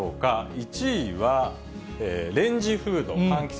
１位はレンジフード・換気扇。